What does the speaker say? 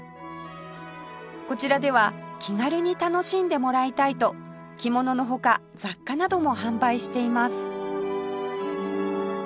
こちらでは気軽に楽しんでもらいたいと着物の他雑貨なども販売しています